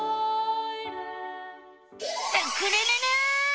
スクるるる！